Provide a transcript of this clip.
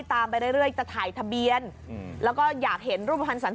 มันกลับมาที่สุดท้ายแล้วมันกลับมาที่สุดท้ายแล้ว